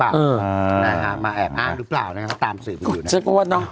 อาหารมาแอบอ้างรึเปล่าตามสื่อคืออยู่